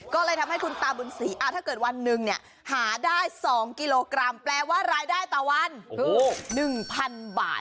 ก็เลยทำให้คุณตาบุญศรีถ้าเกิดวันหนึ่งเนี่ยหาได้๒กิโลกรัมแปลว่ารายได้ต่อวันถูก๑๐๐๐บาท